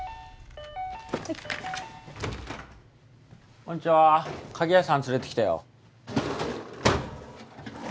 こんにちは鍵屋さん連れてきたよ。